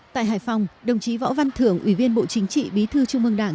tại hải phòng đồng chí võ văn thưởng ủy viên bộ chính trị bí thư trung mương đảng